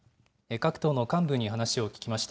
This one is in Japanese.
各党の幹部に話を聞きました。